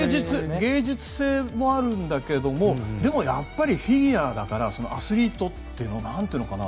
芸術性もあるんだけどもでもやっぱりフィギュアだからアスリートっていうの？